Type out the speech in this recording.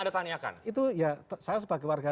anda tanyakan itu ya saya sebagai warga